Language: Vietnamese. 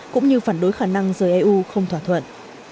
cũng như phản đối khả năng rời eu không thỏa thuận